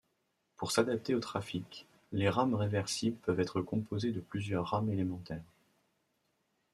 Pour s'adapter au trafic, les rames réversibles peuvent être composées de plusieurs rames élémentaires.